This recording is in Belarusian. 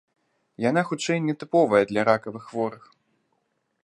Яна хутчэй не тыповая для ракавых хворых.